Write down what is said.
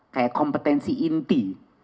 kayak kompetensi inti